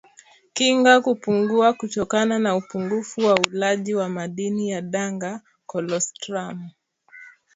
Kinga kupungua kutokana na upungufu wa ulaji wa madini ya danga kolostramu